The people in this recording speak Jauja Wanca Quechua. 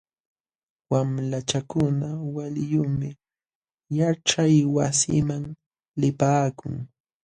Wamlachakuna waliyuqmi yaćhaywasiman lipaakun.